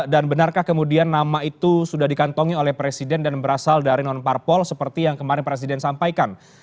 dan benarkah kemudian nama itu sudah dikantongi oleh presiden dan berasal dari non parpol seperti yang kemarin presiden sampaikan